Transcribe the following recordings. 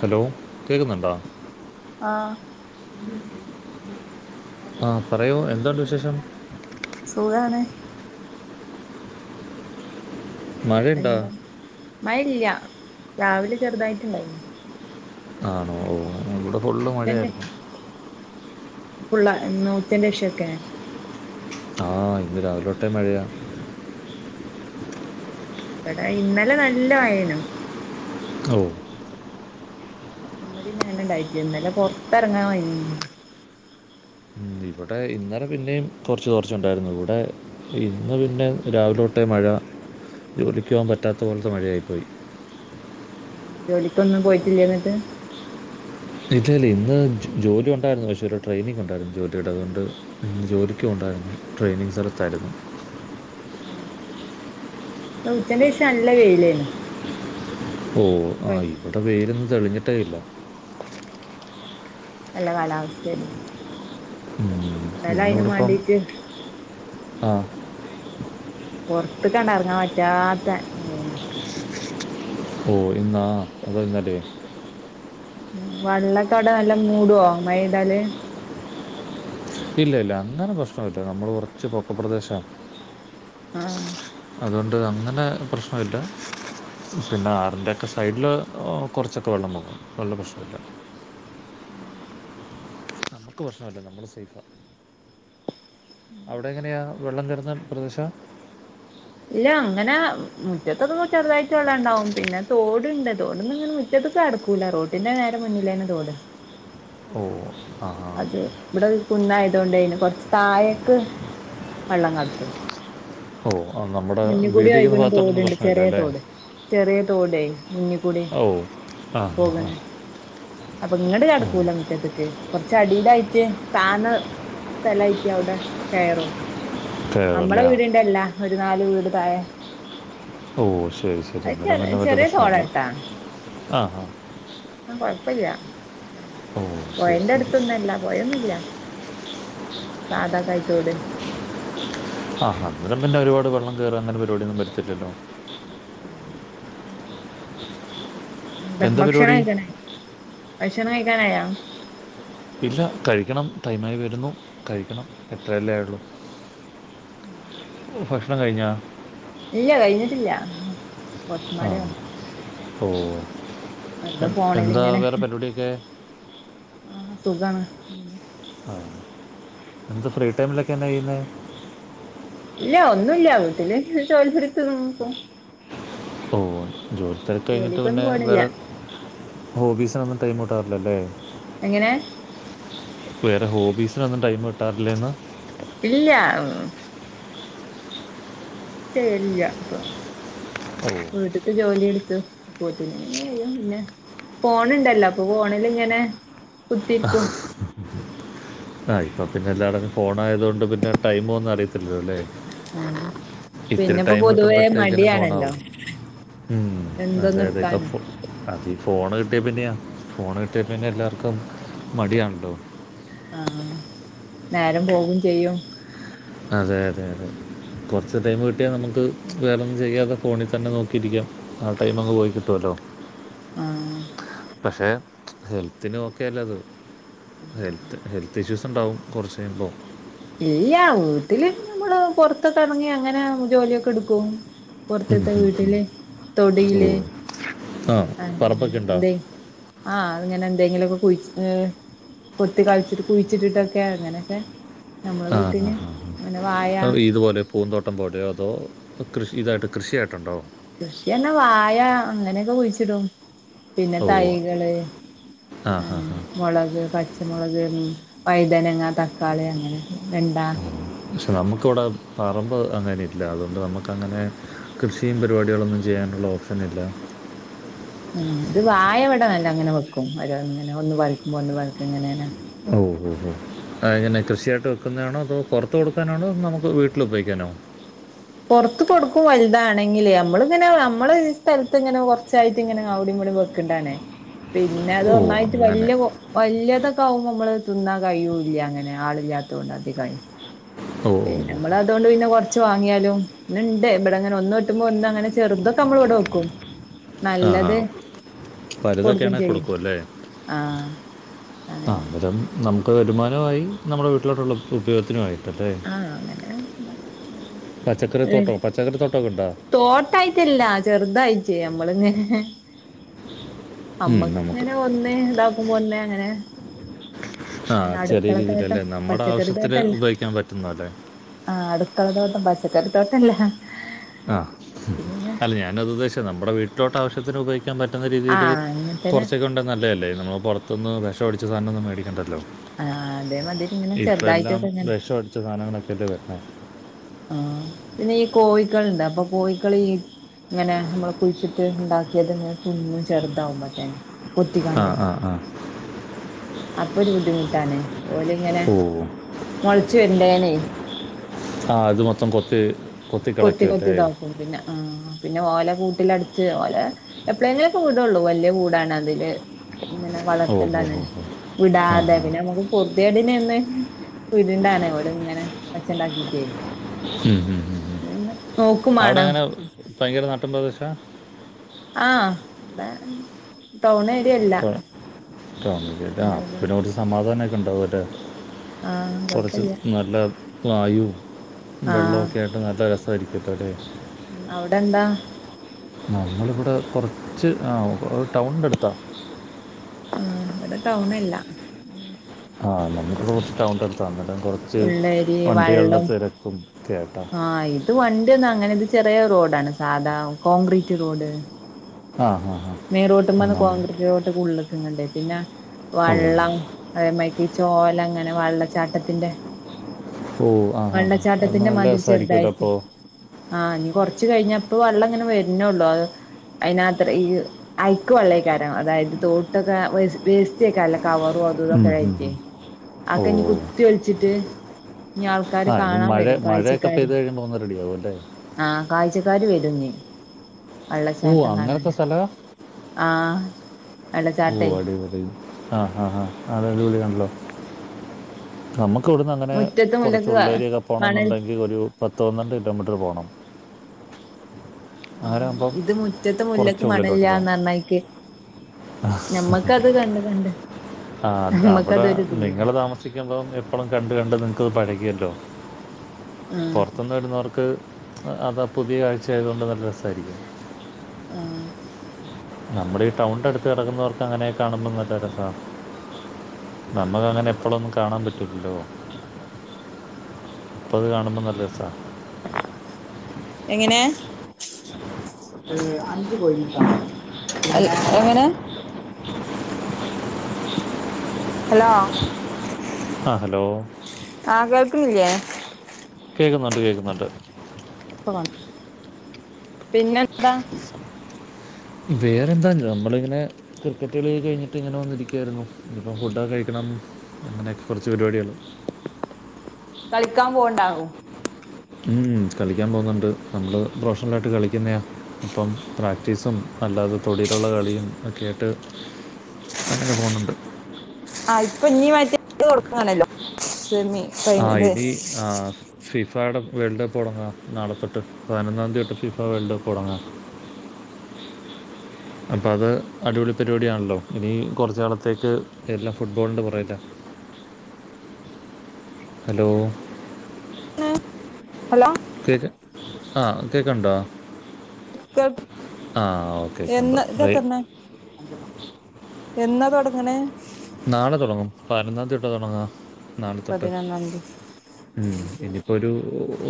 Hello കേക്ക്ന്നുണ്ടാ? ആഹ് ആഹ് പറയൂ എന്തുണ്ട് വിശേഷം? സുഖാണ് മഴയുണ്ടോ എന്താ മഴല്യ രാവിലെ ചെർതായിട്ടുണ്ടായിനു ആണോ ഓഹ് ഇവിടെ ഫുള്ള് മഴയായിരുന്നു. ഫുള്ളാ ഇന്ന് ഉച്ചന്റെഷൊക്കെ? ആഹ് ഇന്ന് രാവിലൊ തോട്ടെ മഴയാണ് [inaudible] ഇബടെ ഇന്നലെ നല്ല മയേനു. [unintelligible] ഇന്ന് പിന്നെ അങ്ങനെ ഇണ്ടായിട്ട്ല്ല ഇന്നലെ പൊർത്തെർങ്ങാൻ കൈഞ്ഞീല്ല ഇവടെ ഇന്നലെ പിന്നെയും കൊറച്ച് കൊറച്ചെ ഉണ്ടായിരുന്നു ഇവിടെ. ഇന്ന് പിന്നെ രാവില തോട്ടേ മഴ ജോലിക്കോവാൻ പറ്റാത്ത പോലത്തെ മഴയായിപ്പോയി. ജോലിക്കൊന്നും പോയിട്ടില്ലേ ഇന്നിട്ട്. [unintelligible] ല്ല ഇന്ന് ജോ ജോലി ഉണ്ടായിരുന്നു പക്ഷേ ഒരു ട്രെയിനിങ് ഉണ്ടായിരുന്നു ജോലിടെ അതുകൊണ്ട്. ഇന്ന് ജോലിക്ക് പോണ്ടായിരുന്നു ട്രെയിനിങ് സ്ഥലത്തായിരുന്നു. ആഹ് ഇന്ന് ഉച്ചന്റേശം നല്ല വെയിലേന്നു. ഓഹ് ആഹ് ഇവിടെ വെയിലൊന്നും തെളിഞ്ഞിട്ടേയില്ല. നല്ല കാലാവസ്ഥേണ് ഉം, ഇന്നലയ്നും വാണ്ടീട്ട്. ആഹ്. പൊർത്ത്ക്കാണ്ട് എർങ്ങാൻ പറ്റാത്ത മഴേനി. ഓഹ് ഇന്നാ അതോ ഇന്നലേ. ഉം വള്ളെക്കെ അവിടെ നല്ലം മൂടോ മഴെയ്താല്. ഇല്ല ഇല്ല അങ്ങനെ പ്രശ്ന ഇല്ല നമ്മള് കൊറച്ച് പൊക്ക പ്രദേശാണ്. ആഹ്. അതോണ്ട് അങ്ങനെ പ്രശ്ന ഇല്ല. പിന്നെ ആറിൻ്റെയൊക്കെ സൈഡില് ഏഹ് കൊർച്ചൊക്കെ വെള്ളം പൊങ്ങും വെള്ള പ്രശ്നല്ല. [unintelligible] നമ്മക്ക് പ്രശ്നല്ല നമ്മള് സേഫാ. അവിടെ എങ്ങനെയാ വെള്ളം കേറുന്ന പ്രദേശാ? ഇല്ല അങ്ങനെ മുറ്റത്തൊക്കെ ചെറുതായിട്ട് വള്ള ഇണ്ടാവും പിന്നെ തോട്ണ്ട് തോട്ന്ന്ങ്ങനെ. മുറ്റത്ത്ക്ക് അട്ക്കൂല്ല റോട്ടിന്റെ നേരെ മുന്നിലെന്നെ തോട് ഓഹ് ആഹാ. ഇവ്ടെ ഒര് കുന്നായതോണ്ടെ കൊർച്ച് താഴേക്ക് വെള്ളം കടക്കും. ഓഹ് ആഹ് നമ്മ മുന്ന്കൂടി ഒയ്ക്ണ തോടുണ്ട് ചെറ്യെ തോട് ചെറ്യെ തോടെയ് മുന്ന്. അഹ് ഓഹ് ആഹ് അപ്പൊ ഇങ്ങട് കട്ക്കൂല മുറ്റത്ത്ക്ക്. കൊർച്ച് അടിലായിട്ട് താന്ന സ്ഥലായിട്ട് അവിടെ കയറും. അമ്മളെ കയറല്ലേ ആ വീടിന്റെല്ല ഒരു നാല് വീട് തായെ. ഓഹ് ശരി ശരി അന്നേരം പിന്നെ മറ്റ് ചെറിയ പ്രശ്നല്ല തോടാട്ടാ ആഹ് ആഹ് കൊഴപ്പല്ല ഉം ഓ ശരി പൊയന്റെ ശരി അടുത്തൊന്നു അല്ല പോയൊന്നുല്ല സാധ കയിത്തോട് ആഹ് അന്നേരം പിന്നെ ഒരുപാട് വെള്ളം കയറ അങ്ങനെ പരിപാടിയൊന്നും വരത്തില്ലല്ലോ ഉം എന്താ ഭക്ഷണം കഴിക്കാനായോ ഭക്ഷണം കഴിക്കാനായോ ഇല്ല കഴിക്കണം ടൈമായി വരുന്നു കഴിക്കണം എട്ടര അല്ലേ ആയുള്ളൂ ഉം ഓഹ് ഭക്ഷണം കഴിഞ്ഞാ ഇല്ല കഴിഞ്ഞിട്ടില്ല ആ കൊറച്ച്മ്പാട ആവും ഓ വെറുതെ എ- എന്താ ഫോണിലിങ്ങനെ വേറെ പരിപാടിയൊക്കെ ആഹ് സുഖാണ് ആഹ് എന്താ ഫ്രീ ടൈമിലൊക്കെ എന്താ ചെയ്യുന്നെ ഇല്ല ഒന്നുമില്ല വീട്ടിൽ ജോലി എടുത്ത് [unintelligible] ഓഹ് ജോലിത്തിരക്ക് കഴിഞ്ഞിട്ട് ജോലിക്കൊന്നും പിന്നെ പോണില്ല വേറെ ഹോബീസിനൊന്നും ടൈമട്ടാറില്ലല്ലേ എങ്ങനെ വേറെ ഹോബീസിനൊന്നുംടൈം കിട്ടറില്ലന്ന് ഇല്ല ട്ടേ ഇല്ല ഇപ്പം ഓ വീട്ടത്ത് ജോലി എടുത്തു ട്ടങ്ങനെ ചെയ്യും പിന്നെ ഫോണുണ്ടല്ലോ അപ്പൊ ഫോണിലിങ്ങനെ കുത്തിരിക്കും ആഹ് ഇപ്പോം പിന്നെ എല്ലായിടും ഫോണായതു കൊണ്ട് പിന്നെ ടൈമോ ഒന്ന് അറിയാം അല്ലേ അങ്ങനെ ഇത്തിരി പിന്നെപ്പോ ടൈം പൊതുവേ കിട്ടുമ്പഴത്തേക്കന് ഫോണ് മടിയാണല്ലോ ആവും ഉം അതെ എന്തൊന്നും അതെ എടുക്കാനും ഇപ്പോ അത് ഫോണ് കിട്ടിയ പിന്നെയാ ഫോണ് കിട്ടിയ പിന്നെ എല്ലാർക്കും ആഹ് നേരം പോകയും ചെയ്യും അതെ അതെ അതെ കുറച്ച് ടൈം കിട്ടിയാൽ നമുക്ക് വേറെന്നും ചെയ്യാതെ ഫോണിൽ തന്നെ നോക്കിയിരിക്കാം ആ ടൈമങ്ങ് പോയി കിട്ടുവല്ലോ ആഹ് പക്ഷെ ഹെൽത്തിന് ഒക്കെല്ലത് ഹെൽത്ത് ഹെൽത്ത് ഇഷ്യൂസ് ഉണ്ടാവും കുറച്ച് കഴിയുമ്പോ ഇല്ല വീട്ടില് നമ്മള് പുറത്തൊക്കെ ഇറങ്ങി അങ്ങനെ ജോലിയൊക്കെ എടുക്കും ഉം, പുറത്തത്തെ ഉം. വീട്ടില് തൊടിയില് ഓഹ്. ആ പറമ്പൊക്കെ ഉണ്ടോ? എന്ത് ആഹ് അത്ങ്ങനെ എന്തെങ്കിലുമൊക്കെ കുഴ കൊത്തി കളിച്ചിട്ട് കുഴിച്ചിട്ടിട്ടൊക്കെ അങ്ങനെയൊക്കെ നമ്മളെ ആഹ് വീട്ടില് ആഹ് അങ്ങനെ വായ ആഹ് അ ഈദ് പോലെ പൂന്തോട്ടം പോലയോ അതോ കൃഷി ഇതായിട്ട് കൃഷിയായിട്ടുണ്ടോ കൃഷിന്നെ വാഴ അങ്ങനെയൊക്കെ കുഴിച്ചിടും പിന്നെ ഓഹ്. തൈകള് ആ, ആ, അങ്ങനെ ആ. മുളക് പച്ച ച്ചമുളക്, വൈതനങ്ങ, തക്കാളി അങ്ങനെ വെണ്ട പക്ഷെ നമുക്കിവിടെ പറമ്പ് അങ്ങനെ ഇല്ല അതുകൊണ്ട് നമുക്കങ്ങനെ കൃഷിയും പരിപാടികളൊന്നും ചെയ്യാനുള്ള ഓപ്ഷന് ഇില്ല ആഹ് ഇത് വായവിടമല്ല അങ്ങനെ വെക്കും ഓരോന്ന് ഇങ്ങനെ ഒന്ന് കൊലക്കുമ്പോ ഒന്ന് കൊലക്കും ഇങ്ങനെ ഓഹ് ഓഹ് ഓഹ് അതെങ്ങനെ കൃഷിയായിട്ട് വെക്കുന്നതാണോ അതോ പുറത്ത് കൊടുക്കാനാണോ നമുക്ക് വിട്ട് ഉപയോഗിക്കാനോ പൊറത്ത് കൊടുക്കും വലുതാണെങ്കില് നമ്മളിങ്ങനെ നമ്മള് ഈ സ്ഥലത്ത് ഇങ്ങനെ [unintelligible] ത്തിങ്ങനെ അവിടി ഇവടിം വെക്കുന്നതാണേ [inaudible] പിന്നെ അത് ഓ ഒന്നായിട്ട് അങ്ങനെ വല്ല്യ വല്ല്യതൊക്കൊവുമ്പോ നമ്മള് തിന്നാൻ കഴിയും ഇല്ല അങ്ങനെ ആളില്ലാത്തൊണ്ട് അതൊക്കെ ഓ ഓ പിന്നെ ഓ നമ്മള് അതുകൊണ്ട് പിന്നെ കുറച്ച് വാങ്ങിയാലും ഇ ഇണ്ട് ഇവിടെ അങ്ങനെ ഒന്ന് വറ്റുമോ ഒന്ന് അങ്ങനെ ചെറുതൊക്കെ നമ്മള് വിടെ വെക്കും ക്കും നല്ലത് വലുതക്കെ കൊടുക്കും ആണേൽ ചെയ്യും കൊടുക്കല്ലേ ആഹ് ആഹ് അങ്ങനെ അന്നേരം നമുക്ക് വരുമാനമായി നമ്മുടെ വീട്ടിലോട്ടുള്ള ഉപയോഗത്തിനുമായി ല്ലേ ആഹ് അങ്ങനെ പച്ചക്കറി തോട്ടം പച്ചക്കറി തോട്ടൊക്കെ ഇണ്ടോ തോട്ടായിട്ടല്ല ചെറുതായിച്ചേ നമ്മളിങ്ങന ഉം, അമ്മക്ക നമുക്ക് ഇങ്ങനെ ഒന്ന്േ ഇതാക്കുമ്പോ ഒന്നെ അങ്ങനെ ആഹ് ചെറിയ അടുക്കള തോട്ടം രീതിയിലല്ലേ നമ്മുടെ പച്ചക്കറി ആവശ്യത്തിൽ തോട്ടല്ല ഉപയോഗിക്കാൻ പറ്റുന്ന അല്ലേ ആഹ് അടുക്കള തോട്ടം പച്ചക്കറിത്തോട്ടംല്ല ആഹ് അല്ല ഞാനത് ഉദ്ദേശിച്ച നമ്മുടെ വീട്ടിലോട്ട് ആവശ്യത്തിന് ഉപയോഗിക്കാ ക്കാൻ പറ്റുന്ന രീതിൽ ആഹ് അങ്ങനത്തന്നെ കുറച്ചൊക്കെ [unintelligible] നല്ലതല്ലേ നമ്മൾ പുറത്ത്നിന്ന് വിഷഅടിച്ച സാധന ഒന്നും മേടിക്കേണ്ടല്ലോ ആഹ് അതേ മാതിരി ഇങ്ങനെ ചെറുതായിട്ടൊക്കെ അങ്ങനെ [unintelligible] സാധങ്ങളൊക്കെ അല്ലേ വരണേ ആഹ് പിന്നെ ഈ കോഴിക്കളുണ്ട് അപ്പൊ കോഴിക്കൾ ഈ ഇങ്ങനെ നമ്മള് കുഴിച്ചിട്ട് ഉണ്ടാക്കിയതിങ്ങനെ [unintelligible] ചെറുതാവുമ്പോത്തേന് ആ കൊത്തിക്കാണ്ടേ ആ ആ അപ്പൊ ഒരു ബുദ്ധിമുട്ടാണ് ഓല ഇങ്ങനെ ഓ മുളച്ച് വരണ്ടേനേ ആഹ് അത് മൊത്തം കൊത്ത് കൊത്തി കൊത്തി [unintelligible] പിന്നെ ഉം പിന്നെ ഓല കൂട്ടിലടച്ച് ഓല എപ്പോഴെങ്കിലൊക്കെ [unintelligible] വലിയ കൂടാണ് അതില് ഇങ്ങനെ ഓ ഓ വളർത്തിണ്ടാണ് ഓ ഓ ആ വിടാതെ ആ പിന്നെ നമ്മുക്ക് [unintelligible] ഓല് ഇങ്ങനെ അച്ഛ്ണ്ടാക്കിട്ടേ ഉം ഉം [unintelligible] മാണം അവിടെങ്ങന ഭയങ്കര നാട്ടിൻ പ്രദേശാ ആഹ് ഇവിടെ ടൗൺ ഏരിയല്ല [unintelligible] സമാധാന ഒക്കെ ഉണ്ടാവുല്ലേ ആ കുറച്ച് കൊഴപ്പില്ല നല്ല വായു ആ വെള്ളമൊക്കെ ആയിട്ട് നല്ല രസമായിരിക്കും [unintelligible] ഉം അവിടെന്താ നമ്മളിവിടെ കുറച്ച് ആഹ് ഒരു ടൗണിന്റെ അടുത്താ ആഹ് ഇവിടെ ടൗണല്ല ആഹ് നമ്മുക്ക് കുറച്ച് ടൗണിനടുത്ത അന്നരം കുറച്ച് ഉള്ളേരി വണ്ടികളുടെ വള്ളം തിരക്കും ഒക്കെയാട്ടാ ആഹ് ഇത് വണ്ടി ഒന്നും അങ്ങനെ ഇത് ചെറിയ റോഡാണ് സാധാ കോൺക്രീറ്റ് റോഡ് ആഹ് ആഹ് മെയിൻ റൂട്ട്ന്ന് കോൺക്രീറ്റിലോട്ട് ഉള്ളക്കണ്ടേ പിന്നെ ഓ വെള്ളം അതേ [unintelligible] അങ്ങനെ വെള്ളച്ചാട്ടത്തിന്റെ ഓ ആ ഹാ ഹാ അത് വെള്ളച്ചാട്ടത്തിന്റെ നല്ല മതിൽ രസമായിരിക്കുമല്ലോ ചെറുതായിട്ട് അപ്പോൾ ആഹ് ഇനി കുറച്ച് കഴിഞ്ഞപ്പ വെള്ളം അങ്ങനെ വരുന്നേള്ളൂ അത് അതിനത്ര ഈ അഴുക്ക് വെള്ളയിക്കാരം അതായത് തോട്ടൊക്കെ വേസ്റ്റൊക്കെ [unintelligible] കവറു ഓ [unintelligible] കുത്തി ഒലിച്ചിട്ട് ഇനി ആൾക്കാര് ആ ഇനി കാണാൻ മഴ വരും മഴയൊക്കെ കാഴ്ചക്കാര് പെയ്ത് കഴിയുമ്പോൾ ഒന്ന് റെഡിയാവും അല്ലേ ആഹ് കാഴ്ചക്കാര് വരും ഇനി ഓ വെള്ളച്ചാട്ടം കാണാൻ അങ്ങനത്തെ സ്ഥലമാ ആഹ് ഓ വെള്ളച്ചാട്ടേ അടിപൊളി ആഹ് ആഹ് ആഹ് അത് അടിപൊളി ആണല്ലോ നമ്മുക്ക് ഇവിടുന്ന് അങ്ങനെ മുറ്റത്ത് കുറച്ച് മുല്ലക്ക് ഉള്ളേരിയൊക്കെ മണൽ പോണോന്നുണ്ടെങ്കിൽ ഒരു പത്ത് പന്ത്രണ്ട് കിലോമീറ്റർ പോണം ആഹ് അങ്ങനെയാകുമ്പം ഇത് മുറ്റത്തെ മുല്ലക്ക് കുറച്ച് ഉള്ളിലോട്ട് പോകും [unintelligible] ആഹ് ഞമ്മക്കത് കണ്ട് കണ്ട് അത് അവിടെ നമ്മക്കതൊരിതില്ല നിങ്ങള് താമസിക്കുമ്പം എപ്പോഴും കണ്ട് കണ്ട് നിങ്ങക്കത് പഴകിയല്ലോ ആഹ് പുറത്ത് [unintelligible] അതാ പുതിയ ആഴ്ചയായതുകൊണ്ട് നല്ല രസായിരിക്കും ആഹ്‌ നമ്മുടെ ഈ ടൗണിന്റെടുത്ത് കിടക്കുന്നവർക്ക് അങ്ങനെ കാണുമ്പോ നല്ല രസാണ് നമക്ക് അങ്ങനെ എപ്പളൊന്നും കാണാൻ പറ്റ് ല്ലല്ലോ ഇപ്പത് കാണുമ്പോൾ നല്ല രസ- എങ്ങനെ? ഏഹ്‌ അഞ്ച്കോയിമുട്ട അല്ല എങ്ങനെ? ഹലോ ആ ഹലോ ആഹ്‌ കേൾക്ക്ണില്ല്യേ? കേക്കുന്നുണ്ട് കേക്കുന്നുണ്ട്. ഇപ്പകൺട്ട് പിനെന്താ. വേറെന്താ ഞ്ഞമ്മളിങ്ങനെ- ക്രിക്കറ്റ് കളിയൊക്കെ കഴിഞ്ഞിട്ട് ഇങ്ങനെ വന്നിരിക്കായിരുന്നു ഇനിപ്പം ഫുടൊക്കെ കഴിക്കണം. അങ്ങനെയൊക്കെ കൊറച്ച് പരിപാടികള് കളിക്കാൻ പോവ്ണ്ടാവും. ഉം കളിക്കാൻ പോവുന്നുണ്ട് നമ്മള് പ്രൊഫഷണലായിട്ട് കളിക്ക്‌ന്നെയാ അപ്പം പ്രാക്ട്ടീസ്- ത്തും അല്ലാതെ തൊടിലുള്ള കളിയും ഒക്കെയായിട്ട് അങ്ങനെ പോകുന്നുണ്ട്. ആഹ്‌ ഇപ്പിഞ്ഞി മറ്റേ തൊടങ്ങാണല്ലോ സെമി ഫൈൻ ഇത്. ആഹ്‌ ഫിഫാടെ വേൾഡ്കപ്പ് തൊടങ്ങാ നാളെ തൊട്ട് പയ്നൊന്നാന്തി തൊട്ട് ഫിഫ വേൾഡ്കപ്പ് തൊടങ്ങാ. അപ്പ അത് അടിപൊളി പരിപാടിയാണല്ലോ ഇനി കൊറച്ച് ന്നാളത്തേക്ക് എല്ലാം ഫുട്ബോൾ ന്റെ പൊറകില. ഹലോ ഹലോ കേക്ക് ആഹ്‌ കേക്ക്‌ണ്ടോ? കേൾ ആഹ്‌ ഓക്കെ കണ്ടു എന്ന് റൈ ഇതെത്രണ്ണാ എന്നാ തൊടങ്ങ്ണ്. നാളെ തൊടങ്ങും പയ്നൊന്നാന്തി തൊട്ടാ തൊടങ്ങാ. നാളെ തൊട്ട് പതിനൊന്നാംതി ഉം ഇനിപ്പൊരു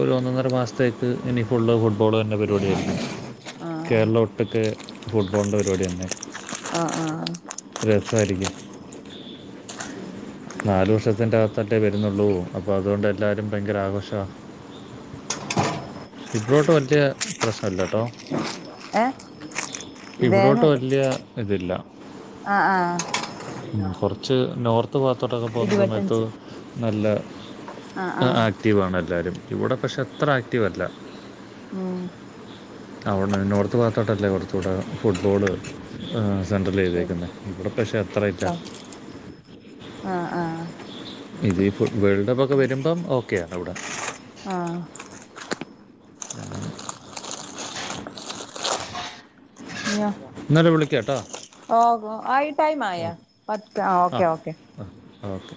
ഒരൊന്നൊന്നര മാസത്തേ ഇനി ഫുള്ള് ഫുട്ബോൾ വെര്ണ പരിപാടിയായിരിക്കും ആഹ് കേരള ഒ- ട്ട്ക്ക്‌ ഫുട്ബോളിൻ്റെ പരിപാടിയെനെ. അ ആഹ്‌ രസായിരിക്കും. [inaudible] നാല് വർഷത്തിൻ്റെ അകത്തല്ലേ വരുന്നൊള്ളൂ അപ്പോഅതുകൊണ്ട് എല്ലാരും ഭയങ്കര ആഘോഷാ- ഇബ്രോട്ട് മറ്റേ പ്രശ്നല്ലാട്ടോ. ഏഹ് ഇവ്ടോട്ട് വെല്യ ഇതില്ല. അ ആഹ്‌ കൊറച്ച് നോർത്ത് ഭാഗത്തോട്ടൊക്കെ പോകുന്ന സമയത്ത് ഇരുപത്തഞ്ച് നല്ല ആഹ് അ ആക് ആഹ് ആക്റ്റീവാണെല്ലാരും ഇവടെ പഷെ അത്ര ആക്റ്റീവല്ല. ഉം അവണ് നോർത്ത് ഭാഗത്തോട്ടല്ലേ കൊറച്ചുടെ ഫുട്ബോള്- ആഹ്‌ സെൻട്രൽ ശരി ചെയ്തേക്ക്‌ന്നെ ഇവിടെ പക്ഷെ അത്രെയില്ലാ. അ ആഹ്‌ ഇത് ഇപ്പൊ വേൾഡ് കപ്പൊക്കെ വെരുമ്പം ഓക്കെയാണ് ഇവടെ. ആഹ്‌ [inaudible] ഞ്ഞ എന്നാലും വിളിക്കാം കേട്ടോ ഓഹ്‌ ആയി ടൈമായോ പത്ത് ആഹ് ഓക്കെ ഓക്കെ ആഹ് ഓക്കെ